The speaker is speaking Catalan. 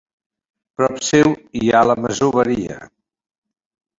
Prop seu hi ha la masoveria.